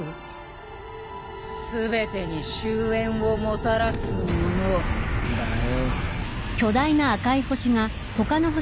「全てに終焉をもたらす者」だよ。